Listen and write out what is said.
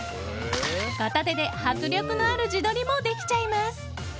片手で迫力のある自撮りもできちゃいます。